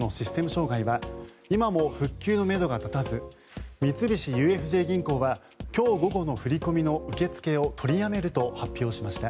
障害は今も復旧のめどが立たず三菱ＵＦＪ銀行は今日午後の振り込みの受け付けを取りやめると発表しました。